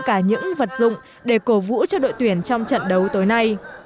cả những vật dụng để cổ vũ cho đội tuyển trong trận đấu tối nay